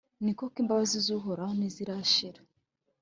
ni koko, imbabazi z’Uhoraho ntizirashira,